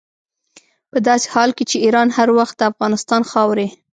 په داسې حال کې چې ایران هر وخت د افغانستان خاورې.